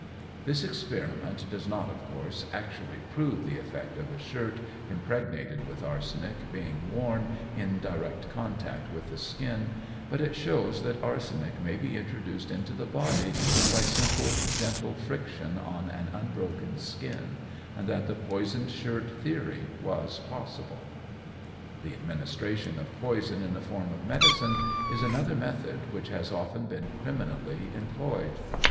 This experiment does not, of course, actually prove the effect of a shirt impregnated with arsenic being worn in direct contact with the skin, but it shows that arsenic may be introduced into the body by simple, gentle friction on an unbroken skin, and that the poisoned shirt theory was possible. The administration of poison in the form of medicine is another method which has often been criminally employed.